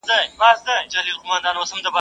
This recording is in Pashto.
o يو مار، بل مار نه سي خوړلاى.